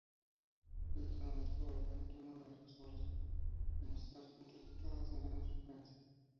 El canon es probablemente uno de las obras de Mozart interpretadas con menos frecuencia.